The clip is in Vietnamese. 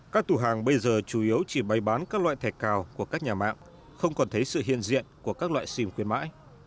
các tủ hàng bây giờ chủ yếu chỉ bày bán các loại thẻ cào của các nhà mạng không còn thấy sự hiện diện của các loại sim khuyến mãi